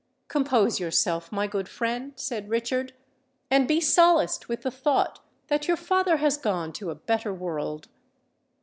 "Compose yourself, my good friend," said Richard; "and be solaced with the thought that your father has gone to a better world."